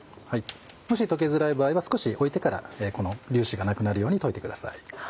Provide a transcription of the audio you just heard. もし溶けづらい場合は少し置いてからこの粒子がなくなるように溶いてください。